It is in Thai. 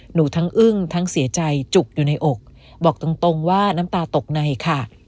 หนูทั้งอึ้งทั้งเสียใจจุกอยู่ในอกบอกตรงว่าน้ำตาตกในค่ะ